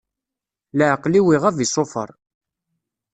Leɛqel-iw iɣab isufer